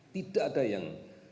tidak ada yang